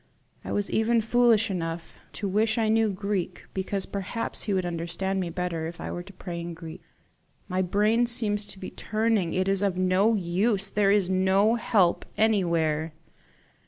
I was even foolish enough to wish I knew Greek, because perhaps he would understand me better if I were to pray in Greek. My brain seems turning. It is of no use! There is no help anywhere!"